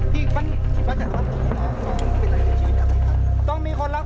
สวัสดีครับ